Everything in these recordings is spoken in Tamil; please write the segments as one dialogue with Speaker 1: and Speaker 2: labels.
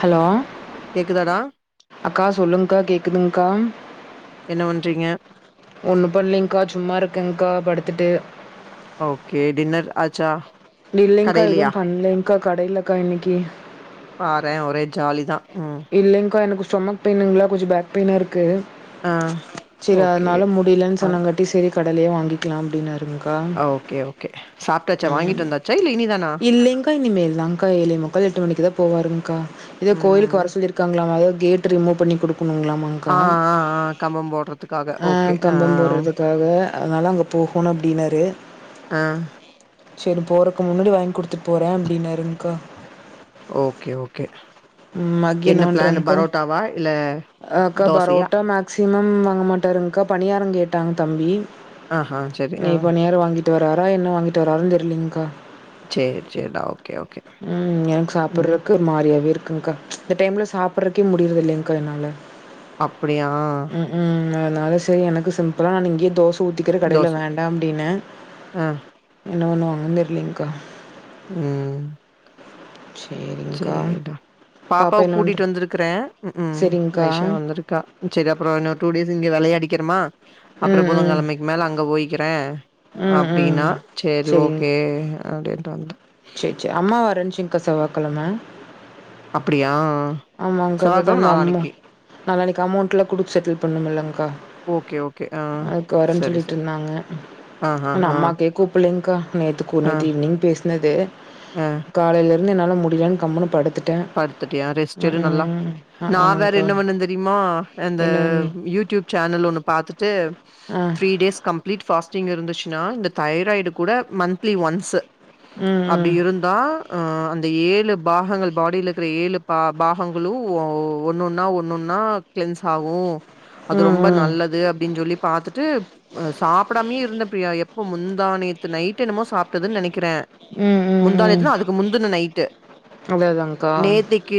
Speaker 1: ஹலோ
Speaker 2: கேக்குதாடா
Speaker 1: அக்கா சொல்லுங்க்கா கேக்குதுங்க்கா
Speaker 2: என்ன பண்றீங்க
Speaker 1: ஒன்னும் பன்லிங்கா சும்மா இருக்கங்க்கா படுத்துட்டு
Speaker 2: ஓகே டின்னர் ஆச்சா
Speaker 1: இல்லைங்க்கா எதுவு
Speaker 2: கடையிலயா
Speaker 1: பண்லைங்க்கா கடைலக்கா இன்னிக்கி
Speaker 2: பாறே ஒரே ஜாலிதா ம்
Speaker 1: இல்லேங்க்கா எனக்கு ஸ்டொமக் பெயினுங்ளா கொஞ்சோ பேக் பெயினா இருக்கு
Speaker 2: ஆ
Speaker 1: சேரி
Speaker 2: ஓகே
Speaker 1: அதனால முடியிலன்
Speaker 2: ஆ
Speaker 1: சொன்னங்காட்டி செரி கடைலே வாங்கி க்லா அப்டின்னாருங்க்கா
Speaker 2: ஓகே ஓகே சாப்ட்டாச்சா
Speaker 1: ம்
Speaker 2: வாங்கிட்டு வந்தாச்சா இல்ல இனிதானா
Speaker 1: இல்லிங்க் இனிமேல் தான்க்கா ஏழே முக்கால் எட்டு மணிக்குதா போவாருங்க்கா எதோ கோயிலுக்கு
Speaker 2: ம்
Speaker 1: வரசொ ல்லிருக்காங்களாமா எதோ கேட்டு ரிமூவ் பண்ணி குடுக்குணுங்ளாமா க்கா
Speaker 2: ஆ ஆ ஆ கம்பம் போடுறதுக்காக
Speaker 1: அ
Speaker 2: ஓகே ஆ
Speaker 1: கம்பம் போட்றதுக்காக அதுனால அங்க போகணு அப்டின்னாரு
Speaker 2: அ
Speaker 1: சேரி போறக்கு முன்னாடி வாங்கி குடுத்துட்ப்போற அப்டின்னாருங்க்கா
Speaker 2: ஓகே ஓகே
Speaker 1: ம் அகெய்ன்
Speaker 2: என்ன பிளானு
Speaker 1: என்னவன்றாங்க்கா
Speaker 2: பரோட்டாவா இல்ல
Speaker 1: அக்கா
Speaker 2: தோசையா
Speaker 1: பரோட்டா மேக்சிமம் வாங்க மாட்டாருங்க்கா பணியாரங் கேட்டாங்க தம்பி
Speaker 2: ஆஹா சரி ஆ
Speaker 1: இனி பனியாரோ வாங்கிட்டு வர்ராரா என்ன வாங்கிட்டு வராருன் தெரிலிங்க்கா
Speaker 2: சேரி சேரிடா ஓகே ஓகே
Speaker 1: ம் எனக்
Speaker 2: ம்
Speaker 1: சாப்புர்றக்கு மாரியாவே இருக்குங்க்கா இந்த டைம்ல சாப்றக்கே முடியிருதில்லீங்க்கா என்னால
Speaker 2: அப்படியா
Speaker 1: ம் அதனால சரி எனக்கு சிம்பிளா நா இங்கேயே தோச ஊத்திக்கிற கடையில
Speaker 2: தோச
Speaker 1: வேண்டா அப்டின்ன
Speaker 2: ஆ
Speaker 1: என்ன பண்ணுவாங்கன்னு தெரிலைங்க்கா
Speaker 2: ம்
Speaker 1: சேரிங்கக்கா
Speaker 2: சேரிடா பாப்பாவ கூட்டிட்டு வந்திருக்கற
Speaker 1: செரிங்க்கா
Speaker 2: வைஷா வந்திருக்கா சேரி அப்புறோ இன்னொரு டூ டேஸ் இங்க வெளயாடிக்கிறமா அப்புறோ
Speaker 1: ம் ம்
Speaker 2: புதங்கிழமைக்கு மேல அங்க போயிக்கிற
Speaker 1: ம் ம்
Speaker 2: அப்டின்னா சேரி
Speaker 1: செரிங்
Speaker 2: ஓகே அப்டின்டு வன்ட்ட
Speaker 1: சேர் சேர் அம்மா வரந்துச்சுங்க்கா செவ்வாகெழம
Speaker 2: அப்படியா
Speaker 1: ஆமாங்க்கா அப்பதா இந்த அமௌ நாளானைக் அமௌண்ட்ல்லா குடுக்க செட்டில் பண்ணமல்ங்க்கா
Speaker 2: ஓகே ஓகே ஆ
Speaker 1: அதுக்கு வரேன்னு
Speaker 2: சரி சரி
Speaker 1: சொல்லிட்ருந்தாங்க
Speaker 2: ஆ ஆ
Speaker 1: ந
Speaker 2: ஆ
Speaker 1: அம்மாக்கே கூப்பலேங்கக்கா நேத்து கூ
Speaker 2: ஆ
Speaker 1: நேத்து ஈவினங் பேசுனதே
Speaker 2: ஆ
Speaker 1: காலையில இருந்து என்னால முடியலன்னனு கம்முனுு படுத்துட்ட
Speaker 2: படுத்துட்டியா ரெஸ்ட்டு எடு நல்லா
Speaker 1: ஆ
Speaker 2: நான் வேற
Speaker 1: ஆனாங்க்கா
Speaker 2: என்ன பண்ணன் தெரியுமா அந்த
Speaker 1: என்ன பண்ணி
Speaker 2: யூடியூப் சேனல் ஒன்னு பாத்துட்டு
Speaker 1: ஆ
Speaker 2: த்ரீ டேஸ் கம்ப்லிட் ஃபாஸ்ட்டிங்க இருந்துச்சுன்னா இந்த தைராய்டு கூட மந்த்லி ஒன்ஸ்
Speaker 1: ம்
Speaker 2: அப்டி
Speaker 1: ம்
Speaker 2: இருந் தா அ அந்த ஏழு பாகங்கள் பாடியில் இருக்கிற ஏழு பா பாகங்களும் ஒன்னொன்னா ஒன்னொன்னா க்ளீன்ஸ் ஆகு அது
Speaker 1: ம்
Speaker 2: ரொம் நல்லது அப்படின்னு சொல்லி பாத்தட்டுஅ சாப்டாமே இருந்த பிரியா எப்ப முந்தாநேத்து நைட் டு என்னமோ சாப்ட்டதுன்னு நனைக்கிற
Speaker 1: ம் ம் ம்
Speaker 2: முந்தாநேத்துனா அதுக்கு முந்தின நைட்டு
Speaker 1: அவ்ளோதாங்க
Speaker 2: நேத்திக்கு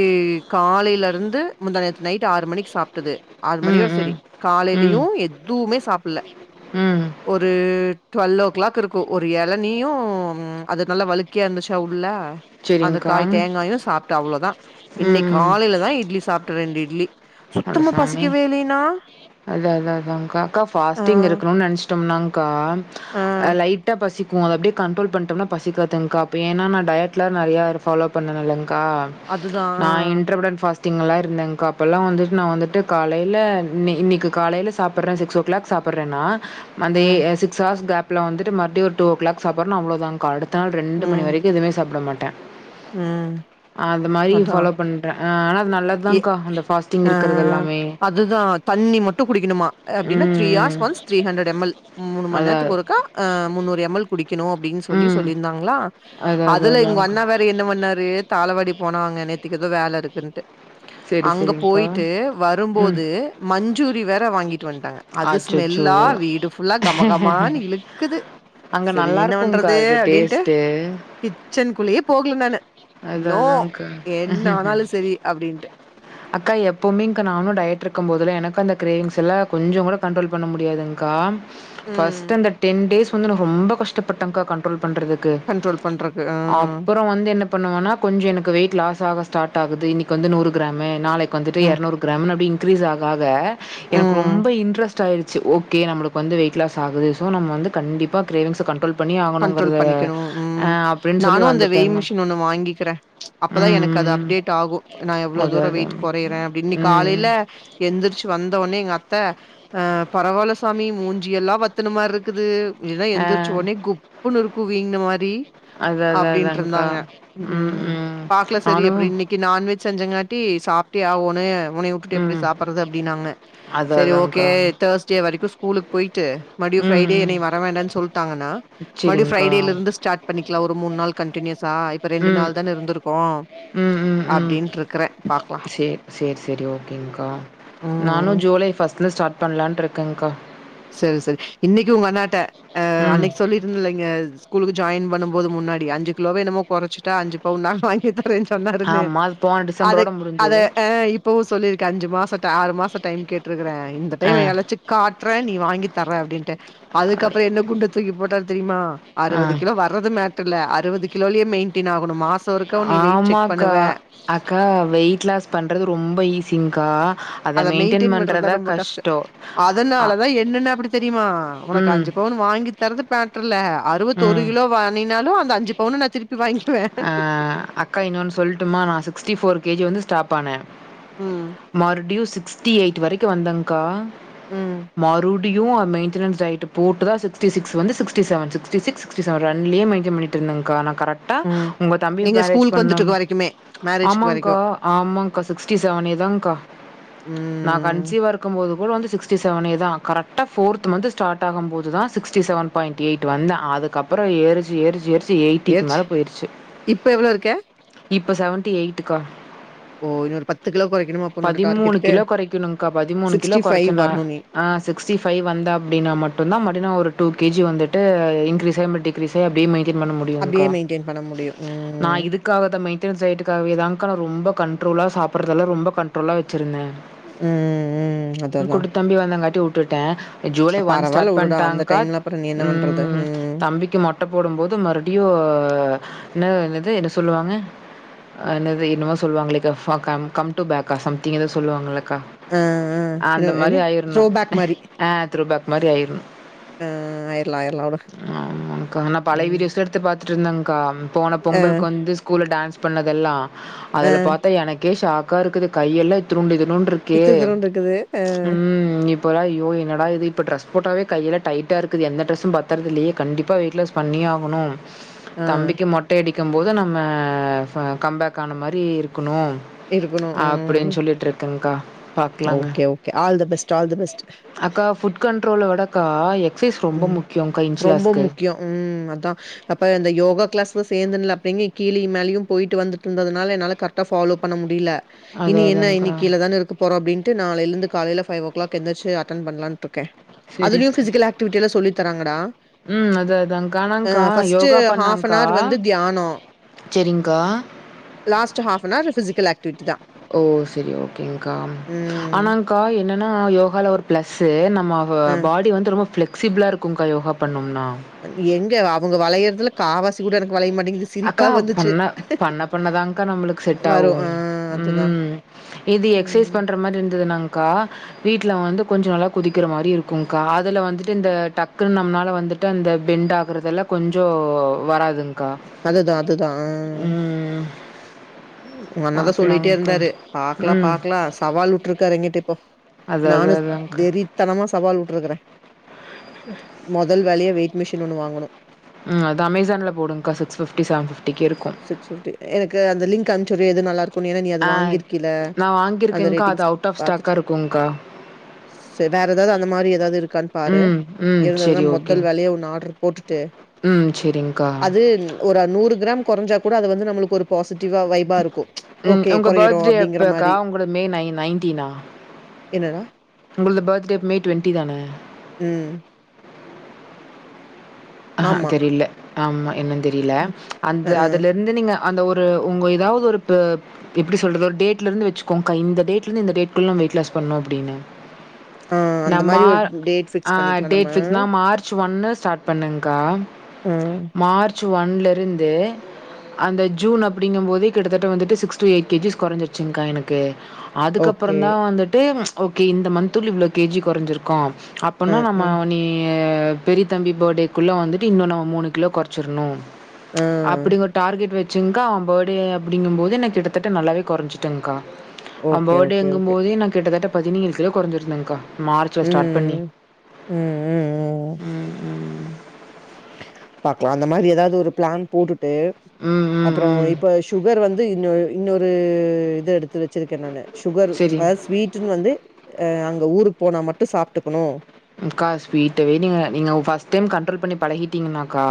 Speaker 2: காலையில இருந்து முந்தா நேத்து நைட்டு ஆறு மணிக்கு சாப்ட்டது ஆறு
Speaker 1: ம்
Speaker 2: மணியோட
Speaker 1: ம்
Speaker 2: சரி
Speaker 1: ம்
Speaker 2: காலையிலயு எதுவுமே சாப்பட்ல
Speaker 1: ம்
Speaker 2: ஒரு டுவெல் ஓ கிளாக் இருக்கு ஒரு ஏழனியு அது நல்ல வலுக்கியா இருந்துச்சா உள்ள அந்த
Speaker 1: சரிங்க்கா.
Speaker 2: காய் தேங்காயு சாப்ட்டு அவ்ளோதா இன்னைக்கு
Speaker 1: ம்.
Speaker 2: காலையில தா இட்லி சாப்ட்ட ரெண்டு இட்லி சுத்தமா பசிக்கவே இல்லைனா
Speaker 1: அதா அதா அதா அக்கா அக்கா
Speaker 2: ஆ,
Speaker 1: ஃபாஸ்டிங் இருக்குணுனு நெனச்சிட்டோனாக்கா
Speaker 2: ஆ,
Speaker 1: லைட் ட்டா பசிக்கும் அத அப்டியே கன்ட்ரோல் பண்ணிட்டம்னா பசிக்காதுங்க்கா இப்ப ஏன்னா நா டயட்லாம் நெறையா ஃபாலோ பண்ணன்ல்லங்க்கா
Speaker 2: அதுதான். ஆ,
Speaker 1: நான் இன்ரவுடன் ஃபாஸ்டிங்லாம் இருந்தேங்க்கா அப்பல்லாம் வந்து நான் வந்துட்டு காலையில இன் இன்னிக்கு காலையில சாப்பிட்றேன் சிக்ஸ் ஓ க்ளாக் சாப்பிட்றன் நா அந்த
Speaker 2: ம்,
Speaker 1: எ சிக்ஸ் ஹார்ஸ் கேப்ல வந்துட்டு மறுப்டியு ஒரு ட்உ ஓ க்ளாக் சாப்புறோனா அவ்ளோ தான் கா அடுத் த நாள் ரெண்டு மணி
Speaker 2: ம்,
Speaker 1: வரிக்கும் எதுமே சாப்ட மாட்டேன்
Speaker 2: ம்
Speaker 1: அ அது மாரி
Speaker 2: அதான்.
Speaker 1: ஃபாலோ பண்றேன் ஆனா அது நல்லதுதாக்கா அந்த ஃபாஸ்டிங்
Speaker 2: ஆ
Speaker 1: இருக்கிறது எல்லாமே
Speaker 2: அதுதான் தண்ணி மட்டு குடிக்கணுமா அப்டின்னா த்ரீ
Speaker 1: ம்,
Speaker 2: ஹார்ஸ்
Speaker 1: ம்.
Speaker 2: Once three hundred M L மூணு மண்
Speaker 1: அதா
Speaker 2: நேரத்துக்கு ஒரு க்கா முன்னூறு எம்எல் குடிக்குணும் அப்டின் சொல்லி
Speaker 1: ம்.
Speaker 2: சொல்லியிருந்தாங்களா
Speaker 1: அது அது
Speaker 2: அதுல இங்
Speaker 1: அதான்க்கா.
Speaker 2: கண்ணா வேற என்ன பண்ணாரு தாளவாடி போனாங்க நேத்துக்கு ஏதோ வேல இருக்குன்ட்டு
Speaker 1: சரி,
Speaker 2: அங்க
Speaker 1: சரிங்க்கா.
Speaker 2: போயிட்டு
Speaker 1: ம்.
Speaker 2: வரும்போது மஞ்சூரி வேற வாங்கிட்டு வன்ட்டாங்க அது
Speaker 1: அச்சச்சோ!
Speaker 2: ஸ்மெல்லா வீடு ஃபுல்லா கமகமான்னு இழுக்குது
Speaker 1: அங்க
Speaker 2: சரி என்ன
Speaker 1: நல்லாருக்கும்க்கா
Speaker 2: பண்றது
Speaker 1: இது
Speaker 2: அப்டின்ட்டு
Speaker 1: டேஸ்ட்டு.
Speaker 2: கிச்சனுக்குள்ளயே போகல நானு
Speaker 1: அதா
Speaker 2: நோ
Speaker 1: அதாங்க்கா
Speaker 2: என்ன ஆனாலு சரி அப்டின்ட்டு
Speaker 1: அக்கா எப்போமேங்க்கா நானுன் டயட் இருக்கும்போதுல எனக்கு அந்த க்ரேவிங்ஸ்ல்லா கொஞ்சம் கூட கன்ட்ரோல் பண்ண முடியாதுங்க்கா
Speaker 2: ம்.
Speaker 1: ப்ஸ்ட்டு அந்த டென் டேஸ் வந்து ரொம்ப கஷ்டப்பட்டங்க்கா கன்ட்ரோல் பண்றது க்கு
Speaker 2: கண்ட்ரோல் பண்றக்கு. ஆ.
Speaker 1: அப்புறம் வந்து என்ன பண்ணுவனா கொஞ்ச எனக்கு வெயிட் லாஸ் ஆக ஸ்டார்ட் ஆகுது இன்னிக்கு வந்து நூறு கிராமு நாளை வந்துட்டு
Speaker 2: ம்.
Speaker 1: எரநூறு கிராமு அப்டி இன்கிரீஸ் ஆக ஆக எனக்கு
Speaker 2: ம்.
Speaker 1: ரொம்ப இன்ட்ரெஸ்ட் டாயிடுச்சி ஓகே நம்மளுக்கு வந்து வெயிட்லாஸ் ஆகுது சோ நம்ம வந்து கண்டிப்பா க்ரேவிஸ்ஸா கண்ட்ரோல் பண்ணி
Speaker 2: கண்ட்ரோல்
Speaker 1: ஆகணுங்கிறத
Speaker 2: பண்ணிக்குணும்
Speaker 1: அ
Speaker 2: ம்
Speaker 1: அப்படின்னு சொல்லி
Speaker 2: நானு அந்த வேயின்
Speaker 1: வந்துட்டேங்க.
Speaker 2: மிஷின் ஒண்ணு வாங்கிக்கிறே அப்பதா எனக்கு
Speaker 1: ம்,
Speaker 2: அது
Speaker 1: ம்.
Speaker 2: அப்டேட் ஆகும் நான் எவ்ளோ
Speaker 1: அதான்,
Speaker 2: தூர வெயிட்
Speaker 1: அதான்.
Speaker 2: கொறையுர அப்டின்னு இன்னிக்
Speaker 1: ம்.
Speaker 2: காலில எந்திரிச்சு வந்தவொன்னே எங்க அத்த அ பரவாலசாமி மூஞ்சில்லா வத்தன மாரி இருக்குது இல்லனா
Speaker 1: ஆ.
Speaker 2: எந்திரிச்ச ஒனே குப்புன்னு இருக்கும் விங்கின மாரி
Speaker 1: அதான், அதான், அதான்க்கா.
Speaker 2: அப்டின்ட்ருந்தாங்க ம் பாக்கல சரி அப்டி இன்னிக் கி நான்வெஜ் செஞ்சங்காட்டி சாப்ட்டே அவோனு உனே ட்டு எப்டி
Speaker 1: ம்.
Speaker 2: சாப்பறது அப்டின்னாங்க
Speaker 1: அதான்,
Speaker 2: சரி ஓகே
Speaker 1: அதான்க்கா.
Speaker 2: தேர்ஸ்டே வரைக்கும் ஸ்கூலுக்கு போயிட்டு மறுடியும்
Speaker 1: ம்,
Speaker 2: ஃப்ரைடே
Speaker 1: ம்.
Speaker 2: என்னிய வர வேண்டான் சொல்ட்டாங்னா மறுடியும்
Speaker 1: சரிங்க்கா.
Speaker 2: ஃப்ரைடேல இர்ந்து ஸ்டார்ட் பண்ணிக்கலா ஒரு மூணு நாள் கண்டினியூஸா இப்ப ரெண்டு
Speaker 1: ம்.
Speaker 2: நாள் தானே இர்ந்துருகோ
Speaker 1: ம், ம் ம் செர் செர் செரி ஓகேங்க்கா
Speaker 2: ம்
Speaker 1: நானு
Speaker 2: ம்
Speaker 1: ஜூலை ஃபர்ஸ்ட்ல ஸ்டார்ட் பண்லான்ட் இருக்கேங்க்கா
Speaker 2: செரி செரி இன்னிக்கு உங்க அண்ணாட்ட அ
Speaker 1: ம்.
Speaker 2: அன்னைக்கு சொல்லிட் இல்லங்க ஸ்கூல்க்கு ஜாயின் பண்ணும் போது முன்னாடி அஞ்சு கிலோவோ என்னமோ குறைச்சுட்டே அஞ்சு பவுன் நா வாங்கிதா தரேன் சொன்னாருன்னு
Speaker 1: ஆமா. அது போன
Speaker 2: அத
Speaker 1: டிசம்பரோட
Speaker 2: அத
Speaker 1: முடிஞ்சது.
Speaker 2: அன் இப் இப்பவும் சொல்லிருக அஞ்சு மாசம் ஆறு மாசம் டைம் கேட்டுருக்றேன் இந்த
Speaker 1: ஆ,
Speaker 2: டைம் எளச்சு காட் றேன் நீ வாங்கி தர்ற அப்டின்டு அதுக்கப்புற என்ன குண்டு தூக்கி போட்டாரு தெரியுமா
Speaker 1: ஆ.
Speaker 2: அறுவது கிலோ வர றது மேட்டர் இல்ல அறுவது கிலோலயே மெயின்டென் ஆகணும் மாசம் ஒருக்கா நீ வெயிட் செக் பண்ணுவ
Speaker 1: ஆமாக்கா. அக்கா வெயிட் லாஸ் பண்றது ரொம்ப ஈஸிங்கா
Speaker 2: அத மெயின்டெயின் பண்றதா ரொம்ப கஷ்டம்
Speaker 1: அ
Speaker 2: அதனாலதா என்னன்ன அப்டி தெரியுமா உனக்கு
Speaker 1: ம்,
Speaker 2: அஞ்சு பவுன் வாங்கி தரது பேண் டுல்ல அறுவத்து ஒரு
Speaker 1: ம்.
Speaker 2: கிலோ வானினாலு அந்த அஞ்சு பவுனு நா திருப்பி வாங்கி
Speaker 1: அ அக்கா இன்னொன்னு சொல்ட்டுமா நா சிக்ஸ்டி ஃபோர் கேஜி வந்து ஸ்டாப் பன்னே
Speaker 2: ம்,
Speaker 1: மறுடியு சிக்ஸ்டி எயிட் வரைக்கு வந்தங்க்கா
Speaker 2: ம்,
Speaker 1: மறுடியு மெயின்டனன்ஸ் டயட் போட்டுதா சிக்ஸ்டி சிக்ஸ் வந்து sixty seven sixty six sixty seven ரன்னிங்லயே மெயின்டன் பண்ணிட்டு இருந்தங்கா நா கரெக்டா
Speaker 2: ம்.
Speaker 1: உங்க தம்பி
Speaker 2: எங்க
Speaker 1: மேரேஜ்
Speaker 2: ஸ்கூலுக்கு வந்துட்டு
Speaker 1: பண்ணும்
Speaker 2: இருக்க வரைக்குமே. மேரேஜ்க்கு
Speaker 1: ஆமாங்கா
Speaker 2: வரைக்கும்.
Speaker 1: ஆமாங்கா சிக்ஸ்டி செவனே தாங்கா நா கன்
Speaker 2: ம்.
Speaker 1: சிவா இருக்கும்போது கூட வந்து சிக்ஸ்டி செவனே தா கரக்ட்ட ஃபோர்த் மந்த் ஸ்டார்ட் ஆகும் போ தா சிக்ஸ்டி செவன் பாயிண்ட் எயிட் வந்த அதுக்கப்பறோ ஏரி ஏரிச்சி எரிச்சி எயிட்டிக்கு
Speaker 2: எச்
Speaker 1: மேல போய்ர்ச்சு
Speaker 2: இப்ப எவ்வளோ இருக்க?
Speaker 1: இப்ப செவன்டி எயிட்டுக்கா
Speaker 2: ஓ! இன்னொரு கிலோ குறைக்கணுமா அப்ப உன்னோட
Speaker 1: பதிமூணு
Speaker 2: டார்கெட்டுக்கு?
Speaker 1: கிலோ கொறைக்கணுங்கா பதிமூணு கிலோ கொறச்சனா
Speaker 2: வரணும் நீ.
Speaker 1: ஆ சிக்ஸ்டி ஃபை வந்த அப்டின்னா மட்டுதா மட்டனா ஒரு டூ கேஜி வந்துட்டு இன்கிரிஸ் ம் டிக்ரீஸ் ம் அப்டியே மெயி டென் பன்ன முடியுங்கா
Speaker 2: டேன் பண்ண முடியு ம்
Speaker 1: அதுக்காவ தா மெயின்டெனன் சைட்டுக்காகவேதாங்க நா ரொம்ப கண்ட்ரோலா சாப்பறதல்லா ரொம்ப கண்ட்ரோலா வச்சிருந்தே
Speaker 2: ம் ம் ம் அதான், அதான்.
Speaker 1: கூட்ட தம்பி வந்தங்காட்டி வுட்டுட்டே ஜூலை ஒன்
Speaker 2: பரவால்ல
Speaker 1: ஸ்டார்ட்
Speaker 2: விடுடா. அந்த
Speaker 1: பண்ட்டாங்கா
Speaker 2: டைம்ல அப்புறம் நீ என்ன
Speaker 1: ம்
Speaker 2: பண்றது?
Speaker 1: ம் தம்பிக்கு மொட்ட போடும் போது மறுடியு நா என்னது இது என்ன சொல்லுவாங்க அ நாது என்னமோ சொல்லுவாங்களே கா ஃபாக் கம் அ கம் டு பேக்கா ஆ சம்திங் ஏதோ சொல்லுவாங்கள கா
Speaker 2: அ, அ.
Speaker 1: ஆ
Speaker 2: என்ன
Speaker 1: அந்த மாரி
Speaker 2: என்ன?
Speaker 1: ஆயிரணு
Speaker 2: த்ரோ பேக் மாரி.
Speaker 1: ஆ துரு பேக் மாரி ஆயிருணு
Speaker 2: அ ஆயிரலாம், ஆயிரலாம் விடு.
Speaker 1: ம் ஆமாக்கா ஆனா
Speaker 2: ம்.
Speaker 1: பலயவிடியோசடுத் த்து பாத்துட்டு இருந்தேங்கா போன
Speaker 2: ஆ,
Speaker 1: பொங்கல்க் வந்து ஸ்கூல டேன்ஸ் பண்ணதெல்லா
Speaker 2: ஆ.
Speaker 1: அதுல பாத்தா எனக்கே ஷாக்கா இருக்குது கையெல்ல இத்னூன்டு இத்னூன்டு இர்க் கே
Speaker 2: மிச்ச தூரம்னு இருக்குது. ஆ,
Speaker 1: ம் இப் இப்பல்லா யோ என்னடா இது இப்ப ட்ரெஸ் போட்டவே கையல்லா டைட்ட இருக்கு எந்த ட்ரெஸ்சு பத்தர்தில்லேயே கண்டிப்பா வெய்ட்லாஸ் பண்ணியே ஆகணு
Speaker 2: ஆ.
Speaker 1: தம்பிக்கி மொட்ட அடிக்கிம் போது நம்ம கம்பேக் ஆன மாரி இருக்கணு
Speaker 2: இருக்கணும்.
Speaker 1: அப்பிடின் சொல்லிட்டு இருக்கேன்கா பா
Speaker 2: okay okay all the best all the best
Speaker 1: அக்கா ஃபுட் கண்ட்ரோல விடக்கா எக்ஃசைஸ் ரொம்ப
Speaker 2: ம்.
Speaker 1: முக்கியோ கா
Speaker 2: ரொம்ப
Speaker 1: இன்சுலாஸ்க்கு
Speaker 2: முக்கியம். ம் அதா அப்ப இந்த யோகா கிளாஸ்ல சேந்தன்லே அப்டிங்கி கீழயு மேலயு போயிட்டு வந்துட்டுருந்ததுனால என்னால கரெக்டாக ஃபாலோ பண்ண முடிலே
Speaker 1: அதா
Speaker 2: இனி என்ன
Speaker 1: அதான்க்கா
Speaker 2: இன்னககீழதான இருக்கு போரோ அப்பின்ட்டு நாளேளந்து காலேல ஃபைவ் ஓ க்ளாக் எந்திரிச்சு அட்டென் பண்ணலானாட்டு இருக்கே அதுலேயு
Speaker 1: செரிக்கா
Speaker 2: பிசிகல் ஆக் டுவிடிலா சொல்லி தராங்கடா
Speaker 1: ம் அது அதான்கா
Speaker 2: அ
Speaker 1: அனான்கா
Speaker 2: ஃபர்ஸ்ட்
Speaker 1: யோகா
Speaker 2: அன்
Speaker 1: பண்ணாங்க்கா
Speaker 2: ஹவர் வந்து தியானம்.
Speaker 1: செரிங்க்கா
Speaker 2: last half an hour physical activity தா
Speaker 1: ஓ செரி ஓகேங்க்கா
Speaker 2: ம்.
Speaker 1: ஆனாங் கா என்னன்னா யோகாவால ஒரு பிளஸ்ஸு நம்ம
Speaker 2: அ.
Speaker 1: பாடி வந்து ரொம்ப பிளெக்சிபிளா இருக்கு க்கு கா யோகா பண்ணோம்னா
Speaker 2: எங்கே அவுங்க வளையறதுல காவாசி கூட எனக்கு வளைய மாட்டிங்குது
Speaker 1: அக்கா பண்ணா பண்ண பண்ணதான்க்கா நம்மளுக்கு செட் ஆவு
Speaker 2: வரு ஆ அதுதா
Speaker 1: ம் இது எக்ஸேஸ்
Speaker 2: ம்
Speaker 1: பண்ற மாரி இருந்ததுன்னாங்க்கா வீட்டுல வந்து கொஞ்சோ நல்லா குதிக்கிற மாரி இருக்கும் காதுல வந்துட்டு இந்த டக்குன்னு நம்மனால வந்துட் டு அந்த பெண்ட் ஆகுறதெல்லா கொஞ்சோ வராதுங்க்கா
Speaker 2: அதுதா அதுதா ஆ
Speaker 1: ம்
Speaker 2: உங்க அண்ணா தா சொல்லிட்டே
Speaker 1: பாக்கலாங்க்கா
Speaker 2: இருந்தாரு பாக்கலா
Speaker 1: ம்
Speaker 2: பாக்கலா சவால் உட்டுருக்காரு எங்கிட்ட இப்போ
Speaker 1: அது அது
Speaker 2: நானு
Speaker 1: அதாங்க்கா
Speaker 2: வெறித்தனமா சவால் உட்டுருக்குறே மொதல் வேலையா வெயிட் மிஷின் ஒன்னு வாங்கணு
Speaker 1: ம் அது அமேசான்லே போடுங்கா சிக்ஸ் ஃபிப்டி செவன் ஃபிப்டிக்கி இருக்கு
Speaker 2: சிக்ஸ் ஃபிப்டி எனக்கு அந்த லிங்க் அம்சிவிடுறியா எது நல்ல இருக்கு குன் ஏன்னா நீ அது
Speaker 1: ஆ
Speaker 2: வாங்கிருக்கீல
Speaker 1: நா
Speaker 2: அந்த
Speaker 1: வாங்கியிருக்கேங்க்கா அது
Speaker 2: ரேட்டிங்ஷ்
Speaker 1: அவுட் ஆஃப்
Speaker 2: பாத்துட்டு
Speaker 1: ஸ்டாக்கா இருக்குங்க்கா
Speaker 2: ச வேற எதாவது அந்த மாரி எதாவது இருக்கான்னு பாரு
Speaker 1: ம் ம்
Speaker 2: இருந்ததுன்னா
Speaker 1: சரி
Speaker 2: மொதல்
Speaker 1: ஓகேங்
Speaker 2: வேலையா ஒன்னு ஆட்ர் போட்டுட்டு
Speaker 1: ம் செரிங்கா
Speaker 2: அது ஒரு நூறு கிராம் கொறஞ்சா கூட அது வந்து நம்மளுக்கு ஒரு பாசிட்டிவா வைப் பா இருக்கு
Speaker 1: ம்
Speaker 2: ஓகே
Speaker 1: உங்க
Speaker 2: கொறையிறோ
Speaker 1: பர்த்டே
Speaker 2: அப்டிங்கிற
Speaker 1: எப்பக்கா
Speaker 2: மாரி
Speaker 1: உங்களோட மே நை
Speaker 2: என்னடா
Speaker 1: உங்கள்து பேர்த்டே மே டுவெண்ட்டி தானே
Speaker 2: ம்
Speaker 1: அஹா
Speaker 2: ஆமா.
Speaker 1: தெரில ஆமா என்னன்னு தெரில
Speaker 2: ம்.
Speaker 1: அந்த
Speaker 2: அஹ்ம்.
Speaker 1: அதுல வந்து நீங்க அந்த ஒரு உங்க எதாவது ஒரு ப எப்பிடி சொல்றது ஒரு டேட்ல இருந்து வச்சோங்கா இந்த டேட்ல இருந்து இந்த டேட்குல்லே நம்ம வெயிட் லாஸ் பண்ணு அப்டின்னு
Speaker 2: ஆ அந்த மாரி ஒரு டேட்
Speaker 1: நம்மாள்அ
Speaker 2: ஃபிக்ஸ் பண்ணிக்கலாம் நம்ம.
Speaker 1: டேட் பிக்ஸ் தா மார்ச் ஒன்னு ஸ்டார்ட் பண்ணுங்கா
Speaker 2: ஆ.
Speaker 1: மார்ச் ஒன்ல இருந்து அந்த ஜூன் அப்டிங்கும் போதே கிட்டத்தட்ட வந்துட்டு six to eight K Gs கொறஞ்சிருச்சிங்க்கா எனக்கு அதுக்கப்புறோ
Speaker 2: ஓகே.
Speaker 1: தா வந்துட்டு ஓகே இந்த மந்த்துல இவ்ளோ கேஜி கொறஞ்சிருக்கோ
Speaker 2: அ,
Speaker 1: அப்டின்னா நம்ம
Speaker 2: அ.
Speaker 1: நீ பெரிய தம்பி பேர்டேக்குள்ளே வந்துட்டு இன்னு நம்ம மூணு கிலோ கொறச்சிர்ணு
Speaker 2: அ
Speaker 1: அப்டி ஓரு டார்கெட் வச்சுங்கா அவ பேர்த்டே அப்டிங்கும்போது நா கிட்டத்தட்ட நல்லாவே கொறஞ்சிட்டேங்க்கா அவே
Speaker 2: ஓகே, ஓகே,
Speaker 1: பேர்த்டேங்கும்
Speaker 2: ஓகே.
Speaker 1: போதே எனக் கிட்டத்தட்ட பதினேழு கிலோ கொறஞ்சிருந்தேங்க்கா மார்ச்ல ஸ்டார்ட் பண்ணி
Speaker 2: ம். ம், ம்,
Speaker 1: ம் ம்.
Speaker 2: பாக்கலா அந்த மாரி எதாவது ஒரு பிளான் போட்டுட்டு
Speaker 1: ம் ம்
Speaker 2: அப்புறோ
Speaker 1: ம்.
Speaker 2: இப்போ சுகர் வந்து இன்னோ இன்னொரு இது எடுத்து வச்சுருக்கே நானு சுகர்
Speaker 1: சரிங்
Speaker 2: அதாவது ஸ்வீட்டுன்னு வந்து அங்க ஊருக்கு போனா மட்டு சாப்ட்டுக்கணு
Speaker 1: அக்கா ஸ்வீட்டவே நீங்க நீங்க ஃபர்ஸ்ட் டைம் கண்ட்ரோல் பண்ணி பழகிட்டீங்கனாக்கா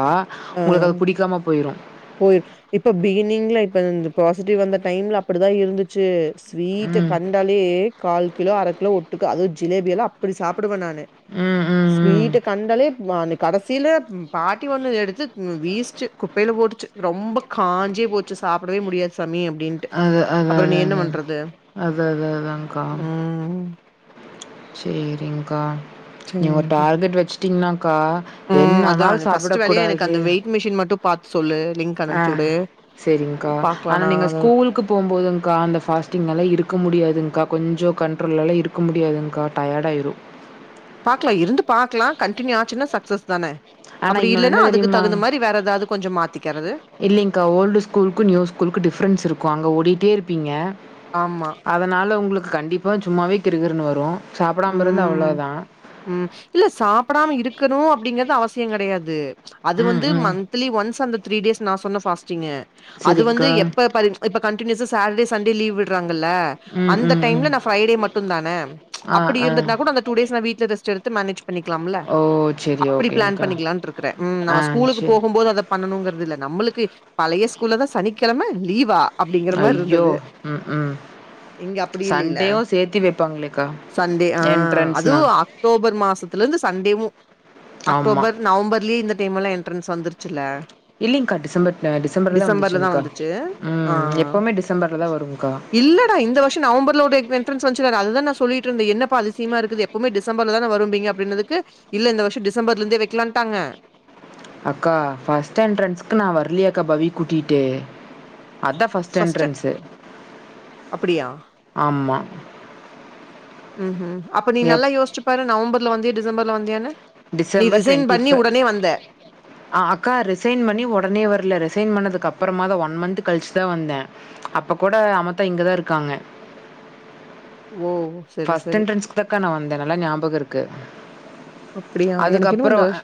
Speaker 1: ஒங்களுக்கு அது புடிக்காம போயிரு
Speaker 2: போயிர் இப்ப பிகினிங்ல இப்ப பாசிட்டிவ் அந்த டைம்ல அப்படிதா இருந்து ச்சு ஸ்வீட்ட
Speaker 1: ம்.
Speaker 2: கண்டாலே கால் கிலோ அர கிலோ ஒட்டுக்க அதே ஜிலேபியல்லா அப்பிடி சாப்புடுவே நானு
Speaker 1: ம், ம், ம்.
Speaker 2: ஸ்வீட்ட கண்டாலே அந்த கடைசில பாட்டி ஒண்ணு எடுத்து [unintelligible] வீசுச்சு குப்பையில போட்டுச்சு ரொம்ப காஞ்சே போச்சு சாப்டவே முடியாது சாமி அப்டின் ட்டு
Speaker 1: அது அது
Speaker 2: அப்புறோ நீ
Speaker 1: அது
Speaker 2: என்ன
Speaker 1: அது.
Speaker 2: பண்றது
Speaker 1: அது அது
Speaker 2: ம்
Speaker 1: சேரிங்க்கா நீ ஒரு
Speaker 2: சரிடா
Speaker 1: டார்கெட் வச்சுட்டீங்கனாக்கா
Speaker 2: ம்
Speaker 1: என்ன
Speaker 2: அதா
Speaker 1: ஆனாலு சாப்புட
Speaker 2: ஃபர்ஸ்ட் வேலையா எனக்கு
Speaker 1: கூடாது
Speaker 2: அந்த வெயிட் மிஷின் மட்டு பாத் சொ
Speaker 1: ஆ செரி்ங்கா
Speaker 2: பாக்கலா
Speaker 1: ஆனா
Speaker 2: நா
Speaker 1: நீங்க
Speaker 2: அத
Speaker 1: ஸ்கூல்க்கு போம்போதுங்கா அந்த ஃபாஸ்டிங் மேல இருக்க முடியாதுங்கா கொஞ்சோ கண்ட்ரோல்லால இருக்க முடியாதுங்க்கா டயர்ட் ஆயிடு
Speaker 2: பாக்கலா இருந்து பாக்கலா கண்டினியூ ஆச்சுன்னா சக்சஸ் தானே
Speaker 1: ஆனா
Speaker 2: அப்டி
Speaker 1: இன்னொன்னு
Speaker 2: இல்லன்னா
Speaker 1: என்ன
Speaker 2: அதுக்கு
Speaker 1: தெரியுமா?
Speaker 2: தகுந்த மாதிரி வேற ஏதாவ்து கொஞ்சோ மாத்திக்கிறது
Speaker 1: இல்லேங்கா ஓல்டு ஸ்கூல்க்கு நியூ ஸ்கூல்க்கு டிஃப்ரென்ஸ் இருக்கு அங்கே ஓடிட்டே இருப்பீங்க
Speaker 2: ஆம்மா
Speaker 1: னால உங்களுக்கு கண்டிப்பா சும்மாவே கிறுகிறுன்னு வரு சாப்டாமருந்தா அவ்ளோ தா
Speaker 2: உம் இல்ல சாப்டாம இருக்கணு அப்டிங்கறது அவசியோ கெடையாது அது
Speaker 1: ம்,
Speaker 2: வந்து
Speaker 1: ம்.
Speaker 2: மந்த் த்லீ ஒன்ஸ் அந்த த்ரீ டேஸ் நா சொன்ன ஃபாஸ்டிங் அது வந்து
Speaker 1: சரிங்க்கா.
Speaker 2: எப்ப பாரு இப்ப கண்டினியூஸா சாட்டடே சன்டே லீவ் விடுறாங்கல்ல
Speaker 1: ம்,
Speaker 2: அந்த
Speaker 1: ம், ம்.
Speaker 2: டைம்ல நா ஃப்ரைடே மட்டு தான
Speaker 1: ஆ,
Speaker 2: அப்டி
Speaker 1: ஆ.
Speaker 2: இருந்த்ருந்தா கூட அந்த டூ டேஸ் ல ரெஸ்ட் எடுத்து மேனேஜ் பண்ணிக்கலாம்ல
Speaker 1: ஓ செரி
Speaker 2: அப்டி ப்ளான்
Speaker 1: ஓகேங்க்கா
Speaker 2: பண்ணிக்கலான்டு இருக்கு‌றே
Speaker 1: ஆ
Speaker 2: நம்ம ஸ்கூலுக்கு
Speaker 1: செரி
Speaker 2: போகும் போது அத பண்ணனுங்கிறது இல்ல் நம்மளுக்கு பழைய ஸ்கூல்ல தா சனிக்கிழம லீவா அப்படிங்கிற மாரி
Speaker 1: ஐய்யோ
Speaker 2: இருந்தது.
Speaker 1: உம் உம்
Speaker 2: இங்க அப்படி இல்லைல.
Speaker 1: சண்டேவு சேத்தி வெப்பாங்களேக்கா
Speaker 2: சண்டே ஆ அதுவு அக்டோபர் மாசத்துல இருந்து சண்டேவும்
Speaker 1: ஆமா
Speaker 2: அக்டோபர் நவம்பர்லே இந்த டைம் எல்லா என்ட்ரன்ஸ் வந்துருச்சுல்ல
Speaker 1: இல்லீங்கா டிசம்பர்ல டிசம்பர்ல தா வந்துச்சுங்க்கா
Speaker 2: ஆ
Speaker 1: உம் எப்பவுமே டிசம்பர்ல தா வருகா
Speaker 2: இல்லடா இந்த வர்ஷோ நவம்பர்லோட என்டெரன்ஸ் வந்த்ச்ல அததா நா சொல்லி ட்டு ருந்தே என்ன பா அதிசயமா இருக்கு எப்பவுே டிசம்பர்ல தான வரும்பீங்க அப்டினதுக்கு இல்ல இந்த வர்ஷோ டிசம்பர்ல இருந்தே வெக்கலான்ட்டாங்க
Speaker 1: அக்கா ஃபஸ்ட எண்டரன்ஸ்க்கு நா வரலியேகா பவிய கூட்டிட்டு அதான் பஸ்ட்
Speaker 2: ஃபர்ஸ்ட்
Speaker 1: என்ட்ரன்ஸு
Speaker 2: அப்டியா
Speaker 1: ஆமா
Speaker 2: ம்ஹும் அப்ப நீ நல்லா
Speaker 1: எப்
Speaker 2: யோசிச்சு பாரு நவம்பர்ல வந்தியா டிசம்பர்ல வந்தியான்னு நீ
Speaker 1: டிசம்பர்
Speaker 2: ரிசைன்
Speaker 1: டுவெண்ட்டி ஃப
Speaker 2: பண்ணி உடனே வந்த
Speaker 1: ஆ அக்கா ரிசைன் பண்ணி ஒடனே வர்ல ரிசைன் பண்ணதுக்கு அப்பறமா தா ஒன் மந்த்த் கழிச்சுதா வந்தே அப்ப கூட அமத்தா இங்கதா இருக்காங்க
Speaker 2: ஓ சரி
Speaker 1: ஃபஸ்ட்
Speaker 2: சரி
Speaker 1: என்ட்ரன்ஸுக்கு தாக்கா நா வந்தே நல்லா ஞாபகோ இருக்கு
Speaker 2: அப்டியா எனக்கு என்னமோ
Speaker 1: அதுக்கப்புறோ
Speaker 2: இந்த வருஷ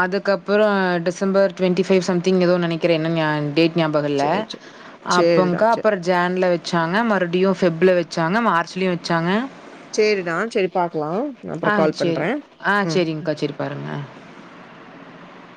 Speaker 1: அதுக்கப்புறோ டிசம்பர் டுவெண்டிஃபைவ் சம்திங் ஏதோ நெனக்கிறே என்ன ஞான் டேட் ஞாபகோல்ல
Speaker 2: சேரி சேரி சேரிடா
Speaker 1: அப்போங்க்கா
Speaker 2: சேரி
Speaker 1: அப்பற ஜான்ல வெச்சாங்க மறுபடியு ஃபெப்ல வெச்சாங்க மார்ச்லேயு வெச்சாங்க
Speaker 2: செரிடா செரி பாக்கலா
Speaker 1: ஆ செரி ஆ செரிங்க்கா செரி பாருங்க